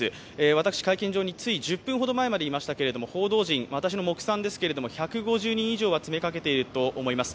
私会見場について１０分ほど前までいましたけど、報道陣、目算ですけど１５０人以上は詰めかけていると思います。